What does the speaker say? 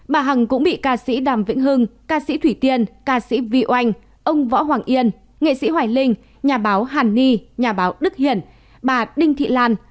bà hằng cũng bị ca sĩ đàm vĩnh hưng ca sĩ thủy tiên ca sĩ vy oanh ông võ hoàng yên nghệ sĩ hoài linh nhà báo hàn ni nhà báo đức hiển bà đinh thị lan